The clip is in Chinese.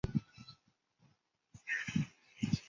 强化企业建立友善职场环境